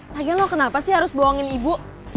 lagi lo kenapa sih harus bohongin ibu